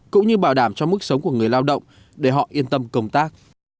cũng như bảo đảm cho mức sống của người lao động để họ yên tâm công tác